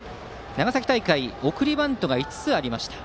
２番ライト、東は長崎大会送りバントが５つありました。